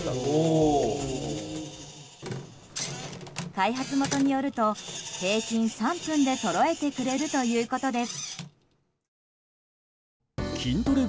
開発元によると平均３分でそろえてくれるということです。